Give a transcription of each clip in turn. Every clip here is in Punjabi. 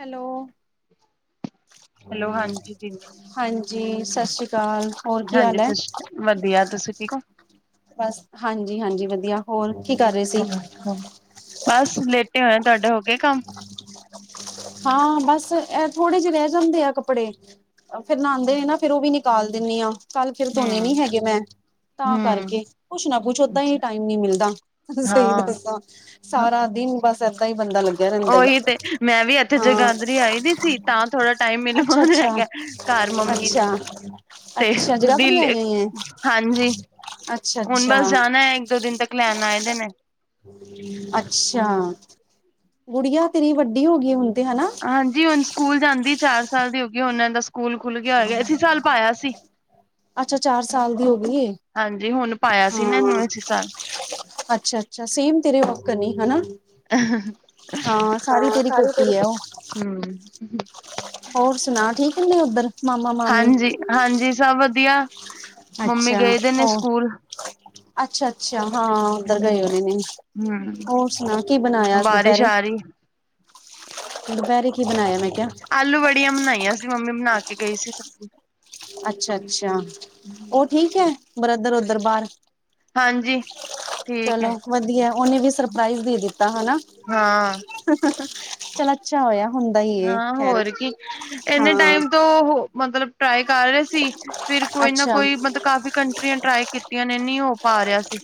ਹੈਲੋ। ਹੈਲੋ ਹਾਂਜੀ ਦੀਦੀ ਹਾਂਜੀ, ਸਤਿ ਸ਼੍ਰੀ ਅਕਾਲ- ਹੋਰ ਕੀ ਹਾਂਜੀ, ਹਾਲ ਹੈ ਸਤਿ ਸ਼੍ਰੀ ਅਕਾਲ ਵਧੀਆ ਤੁਸੀਂ ਠੀਕ ਹੋ। ਬਸ, ਹਾਂਜੀ ਹਾਂਜੀ ਵਧੀਆ ਹੋਰ ਕੀ ਕਰ ਰਹੇ ਸੀ ਹ ਹਮ ਬਸ ਲੇਟੇ ਹੋਏ, ਤੁਹਾਡੇ ਹੋ ਗਏ ਕੰਮ? ਹਾਂ ਬਸ ਇਹ ਥੋੜੇ ਜਿਹੇ ਰਹਿ ਜਾਂਦੇ ਆ ਕੱਪੜੇ, ਫੇਰ ਨਹਾਉਦੇ ਐ ਨਾ ਫੇਰ ਉਹ ਵੀ ਨ ਕਾਲ ਦਿੰਦੀ ਐ, ਕੱਲ ਫੇਰ ਧੋਣੇ ਹਮ ਨੀ ਹੈਗੇ ਮੈਂ। ਤਾਂ ਹਮ ਕਰਕੇ, ਕੁਛ ਨਾ ਕੁੱਛ ਓਦਾਂ ਹੀ ਅੱਛਾ ਟਾਈਮ ਨੀ ਮਿਲਦਾ, ਸਹੀ ਹਾਂ ਦੱਸਦਾ ਸਾਰਾ ਦਿਨ ਬਸ ਇੱਦਾਂ ਹੀ ਬੰਦਾ ਲੱਗਾ ਉਹੀ ਤੇ, ਮੈਂ ਵੀ ਇੱਥੇ ਜਗਾਦਰੀ ਆਈ ਦੀ ਸੀ, ਤਾਂ ਥੋੜਾ ਟਾਈਮ ਮੈਨੂੰ ਅੱਛਾ ਉਹ ਮਿਲ ਅੱਛਾ ਗਿਆ, ਘਰ ਮੰਮੀ ਨੇ ਅੱਛਾ ਤੇ, ਅੱਛਾ ਜਗਾਧਰੀ ਦਿੱਲੀ, ਆਈ ਹੋਈ ਹੈ ਹਾਂਜੀ। ਅੱਛਾ ਹੁਣ ਅੱਛਾ ਬਸ ਜਾਣਾ ਹੈ ਇੱਕ ਦੋ ਦਿਨ ਤੱਕ, ਲੈਣ ਆਣਾ ਇਹਨੇ ਨੇ ਅੱਛਾ! ਗੁੜੀਆਂ ਤੇਰੀ ਵੱਡੀ ਹੋ ਗਈ ਹੁਣ ਤੇ ਹਨਾ ਹਾਂਜੀ ਹੁਣ ਸਕੂਲ ਜਾਂਦੀ ਚਾਰ ਸਾਲ ਦੀ ਹੋ ਗਈ ਹੁਨ ਇਦਾ ਸਕੂਲ ਖੁੱਲ ਗਿਆ ਹੋਇਆ ਗਾ, ਇਸੀ ਸਾਲ ਪਾਇਆ ਸੀ। ਅੱਛਾ, ਚਾਰ ਸਾਲ ਦੀ ਹੋ ਗਈ ਹਾਂਜੀ ਹੁਣ ਪਾਇਆ ਸੀ ਨਾ ਹਾਂ- ਇਹਨੂੰ ਇਸ ਸਾਲ ਅੱਛਾ ਅੱਛਾ, ਸੇਮ ਤੇਰੇ ਵੱਕਨ ਹੇ, ਹਨਾ ਹਾਂ, ਸਾਰੀ ਤੇਰੀ ਕੋਪੀ ਹੈ ਉਹ ਹਮ। ਹੋਰ ਸੁਣਾ, ਠੀਕ ਨੇ ਉੱਧਰ ਮਾਮਾ ਮਾਮੀ? ਹਾਂਜੀ -ਹਾਂਜੀ, ਸਭ ਵਧੀਆ ਮੰਮੀ ਅੱਛਾ। ਗਏ ਦੇ ਨੇ ਹੋਰ ਸਕੂਲ-' ਅੱਛਾ ਅੱਛਾ, ਹਾਂ ਉੱਧਰ ਗਏ ਹੂੰ, ਹੋਨੇ ਨੇ, ਹੂੰ ਹੋਰ ਸੁਣਾ ਕੀ ਬਣਾਇਆ ਬਾਰਿਸ਼ ਦੁਪਹਿਰੇ ਆ ਰਹੀ ਦੁਪਹਿਰੇ ਕੀ ਬਣਾਇਆ ਮੈਂ ਕਿਹਾ ਆਲੂ ਵੜੀਆਂ ਬਣਾਈਆਂ ਸੀ, ਮੰਮੀ ਬਣਾ ਕੇ ਗਈ ਸੀ ਸਬਜ਼ੀ ਅੱਛਾ ਅੱਛਾ, ਉਹ ਠੀਕ ਹੈ ਬਰਧਰ ਉਧਰ ਬਾਹਰ ਹਾਂਜੀ। ਠੀਕ ਹੈ ਚਲੋ ਵਧੀਆ, ਉਹ ਓਹਨੇ ਵੀ ਸਰਪ੍ਰਾਈਜ਼ ਦੇ ਦਿੱਤਾ ਹੈ ਹਨਾ ਹਾਂ, ਚਲ- ਅਛਾ ਹੋਇਆ ਹੁੰਦਾ ਹੀ ਹਾਂ ਹੋਰ ਕੀ, ਇਨੇ ਟਾਈਮ ਤੋਂ ਮਤਲਬ ਟਰਾਈ ਕਰ ਰਹੇ ਸੀ, ਫਿਰ ਕੋਈ ਨਾ ਅੱਛਾ। ਕੋਈ ਮਤਲਬ ਕਾਫੀ ਕੰਟਰੀਆਂ ਟਰਾਈ ਕੀਤੀਆਂ ਨੇ, ਨੀ ਹੋ ਪਾ ਰਿਹਾ ਸੀ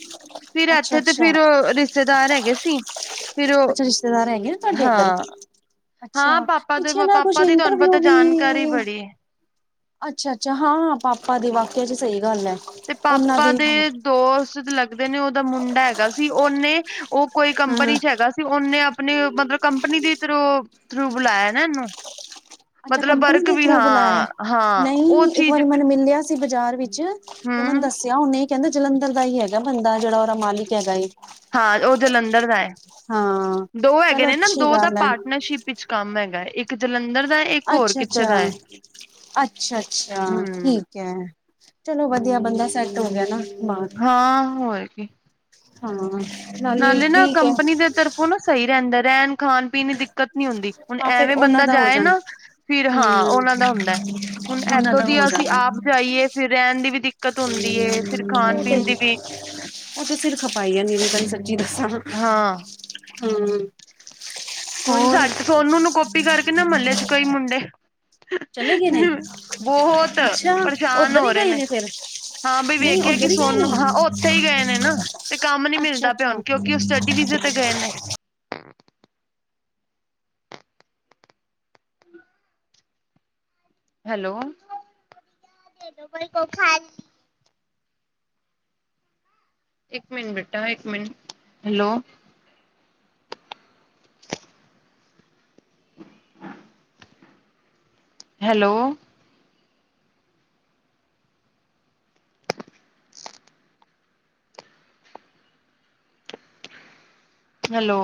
ਫਿਰ ਅੱਛਾ ਇੱਥੇ ਤੇ ਅੱਛਾ ਫਿਰ ਰਿਸ਼ਤੇਦਾਰ ਹੈਗੇ ਸੀ। ਫਿਰ ਉਹ ਅੱਛਾ ਰਿਸ਼ਤੇਦਾਰ ਹੈਗੇ ਨੇ ਤੁਹਾਡੇ ਇੱਧਰ। ਹਾਂ, ਅੱਛਾ, ਹਾਂ ਪਾਪਾ ਦੇ ਪਿੱਛੇ ਨਾ ਕੁਛ ਪਾਪਾ ਦੀ ਤੁਹਾਨੂੰ ਪਤਾ ਇੰਟਰਵਿਊ ਵੀ ਜਾਣਕਾਰੀ ਬੜੀ ਹੈ। ਅੱਛਾ ਅੱਛਾ ਹਾਂ, ਪਾਪਾ ਦੀ ਵਾਕੀਆਂ 'ਚ ਸਹੀ ਗੱਲ ਹੈ ਤੇ ਪਾਪਾ ਦੇ ਦੋਸਤ ਲੱਗਦੇ ਨੇ ਉਹਦਾ ਮੁੰਡਾ ਹੈਗਾ ਸੀ ਉਹਨੇ ਉਹ ਕੋਈ ਹਾਂ ਕੰਪਨੀ 'ਚ ਹੈਗਾ ਸੀ ਉਹਨੇ ਆਪਣੇ ਮਤਲਬ ਕੰਪਨੀ ਦੇ ਰੂ ਥਰੂ ਬੁਲਾਇਆ ਨਾ ਇਹਨੂੰ ਅੱਛਾ ਮਤਲਬ ਕੰਪਨੀ ਵਰਕ ਦੇ ਵੀ ਥਰੂ ਬੁਲਾਇਆ? ਹਾਂ ਹਾਂ ਨਹੀਂ, ਉਹ ਇੱਕ ਚੀਜ਼ ਵਾਰੀ ਮੈਨੂੰ ਮਿਲਿਆ ਸੀ ਬਾਜ਼ਾਰ ਵਿੱਚ -ਤੇ ਮੈਨੂੰ ਹਮ ਦੱਸਿਆ ਉਹਨੇ, ਕਹਿੰਦਾ ਜਲੰਧਰ ਦਾ ਹੀ ਹੈਗਾ ਬੰਦਾ ਜਿਹੜਾ ਉਹਦਾ ਮਾਲਿਕ ਹੈਗਾ ਹਾਂ ਉਹ ਜਲੰਧਰ ਦਾ ਐ, ਹਾਂ ਦੋ ਹੈਗੇ ਚਲੋ ਨੇ ਨਾ, ਅੱਛੀ ਦੋ ਦਾ ਗੱਲ ਹੈ ਪਾਰਟਨਰਸ਼ਿਪ ਵਿੱਚ ਕੰਮ ਹੈਗਾ ਏ, ਇੱਕ ਜਲੰਧਰ ਦਾ ਏ ਅੱਛਾ ਅੱਛਾ, ਅੱਛਾ ਅੱਛਾ, ਹਮ ਠੀਕ। ਕੈ, ਚਲੋ ਵਧੀਆ ਬੰਦਾ ਸੈੱਟ ਹੋ ਗਿਆ ਨਾ। ਹਾਂ ਹੋਏ ਕੀ। ਹੂੰ ਨਾਲੇ ਠੀਕ ਐ। ਤਰਫੋ ਨਾ ਸਹੀ ਰਹਿੰਦਾ ਰਹਿਣ, ਖਾਣ ਇੰਨੀ ਦਿੱਕਤ ਨੀ ਹੁੰਦੀ, ਹੁਣ ਹਾਂ ਫੇਰ ਐਵੇਂ ਉਹਨਾਂ ਬੰਦਾ ਦਾ ਹੋ ਜਾਏ ਨਾ, ਜਾਂਦਾ ਫਿਰ ਹਾਂ ਹਮ ਉਹਨਾਂ ਦਾ ਹੁੰਦਾ। ਹੁਣ ਉਹਨਾਂ ਇੱਥੋਂ ਦਾ ਹੋ ਦੀ ਅਸੀਂ ਆਪ ਜਾਂਦਾ ਜਾਈਏ, ਫਿਰ ਰਹਿਣ ਦੀ ਵੀ ਦਿਕ ਦਿੱਕਤ ਹੁੰਦੀ ਏ, ਫਿਰ ਖਾਣ-ਪੀਣ ਦੀ ਵੀ। ਉਹ ਤੇ ਸਿਰ ਖਪਾਈ ਐ ਨਿਰੀ ਤੇਨੂੰ ਸੱਚੀ ਦੱਸਾਂ ਹਾਂ ਹੂੰ। ਹੁਣ ਹੋਰ ਸਾਂ ਸੋਨੂੰ ਨੂੰ ਗੋਪੀ ਕਰਕੇ ਨਾਂ ਮਹੱਲੇ ਚ ਕਈ ਮੁੰਡੇ ਚਲੇ ਗਏ ਨੇ ਬਹੁਤ, ਅੱਛਾ ਪਰੇਸ਼ਾਨ ਉੱਧਰ ਹੀ ਹੋ ਰਹੇ ਗਏ ਨੇ। ਫਿਰ ਹਾਂ ਬਈ ਨਹੀਂ ਵੇਖਕੇ ਕਿ ਉੱਧਰ ਹੀ ਗਏ ਨੇ ਸੋਨੂੰ ਹਾਂ ਉਹ ਉੱਥੇ ਹੀ ਗਏ ਨੇ ਨਾ, ਤੇ ਕੰਮ ਨੀ ਅੱਛਾ ਮਿਲਦਾ ਪਿਆ ਉਹ ਅੱਛਾ ਨੂੰ। ਕਿਉਂਕਿ ਉਹ ਸਟਡੀ ਵੀਜੇ ਤੇ ਗਏ ਨੇ। ਹੈਲੋ [unintelligible] ਇਕ ਮਿੰਟ ਬੇਟਾ ਇਕ ਮਿੰਟ ਹੈਲੋ। [inaudible] [unintelligible] ਹੈਲੋ ਓ। ਹੈਲੋ